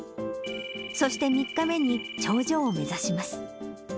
そして３日目に頂上を目指します。